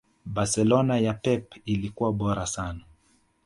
Barcelona ya Pep ilikuwa bora sana